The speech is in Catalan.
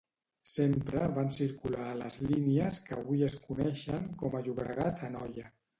Sempre van circular a les línies que avui es coneixen com a Llobregat-Anoia.